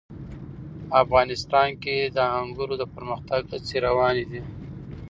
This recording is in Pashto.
افغانستان کې د انګور د پرمختګ هڅې روانې دي.